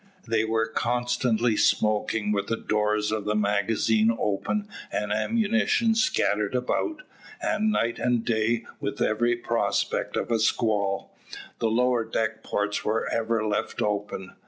They were constantly smoking with the doors of the magazine open and ammunition scattered about, and night and day with every prospect of a squall, the lower deck ports were ever left open.